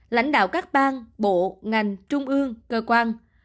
lãnh đạo các bang bộ ngành trung ương cơ quan